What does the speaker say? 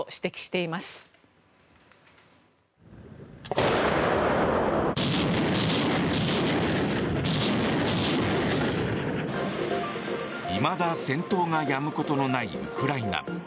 いまだ戦闘がやむことのないウクライナ。